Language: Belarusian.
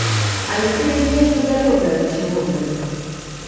Але ты бязмежна далёкая ад усяго гэтага.